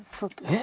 え？